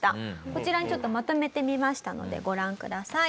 こちらにまとめてみましたのでご覧ください。